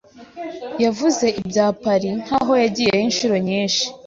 Yavuze ibya Paris nkaho yagiyeyo inshuro nyinshi.